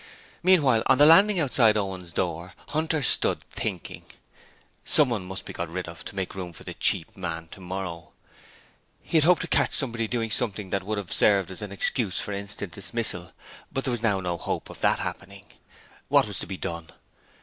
Meanwhile, on the landing outside Owen's door, Hunter stood thinking. Someone must be got rid of to make room for the cheap man tomorrow. He had hoped to catch somebody doing something that would have served as an excuse for instant dismissal, but there was now no hope of that happening. What was to be done?